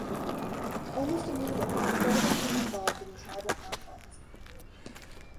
Almost immediately Porter became involved in the tribal conflict.